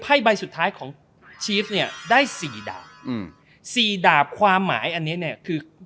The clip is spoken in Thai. ไพ่ใบสุดท้ายของชีฟเนี่ยได้๔ดาบ๔ดาบความหมายอันนี้เนี่ยคือ